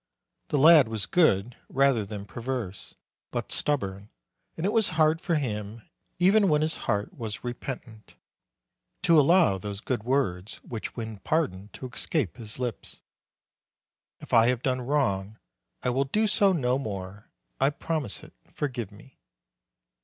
The lad was good rather than perverse, but stubborn; and it was hard for him, even when his heart was repentant, to allow those good words which win pardon to escape his lips, "If I have done wrong, I will do so no more; I promise it. Forgive me."